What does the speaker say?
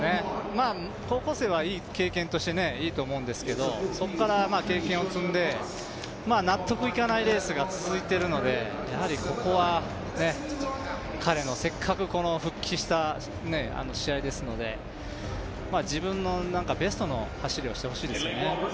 高校生はいい経験としていいとは思うんですが、そこから経験を積んで、納得いかないレースが続いているのでやはりここは彼のせっかく復帰した試合ですので、自分のベストの走りをしてほしいですよね。